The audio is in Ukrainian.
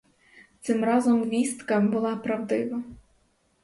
Цим разом вістка була правдива.